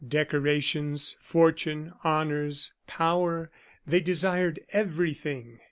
Decorations, fortune, honors, power they desired everything.